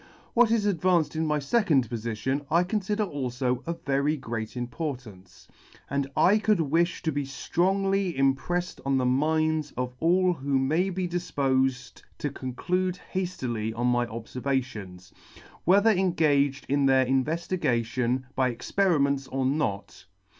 What is advanced in my fecond pofition, I conflder alfo of very C 79 ] very great importance, and I could wifh it to be ftrongly im prefled on the minds of all who may be difpofed to conclude haftily on my obfervations, whether engaged in their invefti gation by experiments or not.